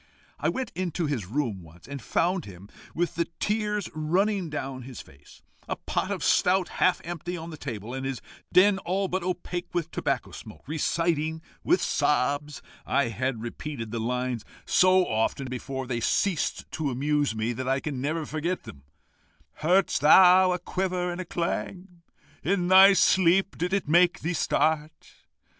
I went into his room once, and found him with the tears running down his face, a pot of stout half empty on the table, and his den all but opaque with tobacco smoke, reciting, with sobs I had repeated the lines so often before they ceased to amuse me, that I can never forget them 'Heard'st thou a quiver and clang? In thy sleep did it make thee start?